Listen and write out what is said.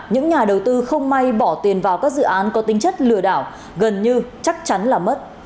những nhà đầu tư không may bỏ tiền vào các dự án có tính chất lừa đảo gần như chắc chắn là mất